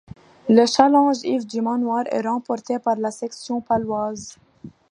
Le Challenge Yves du Manoir est remporté par la Section paloise.